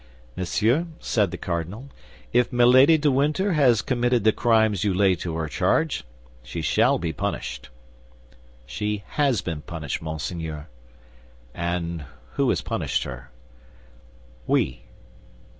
"Monsieur," said the cardinal, "if Milady de Winter has committed the crimes you lay to her charge, she shall be punished." "She has been punished, monseigneur." "And who has punished her?" "We."